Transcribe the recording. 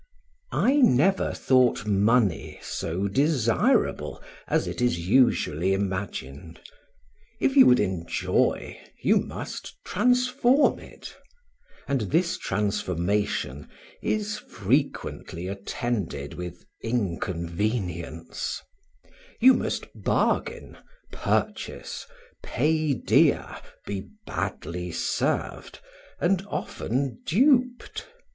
I never thought money so desirable as it is usually imagined; if you would enjoy you must transform it; and this transformation is frequently attended with inconvenience; you must bargain, purchase, pay dear, be badly served, and often duped.